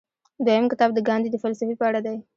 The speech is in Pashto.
دویم کتاب د ګاندي د فلسفې په اړه دی.